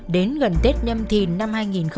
đến gần tết nhâm thìn năm hai nghìn một mươi hai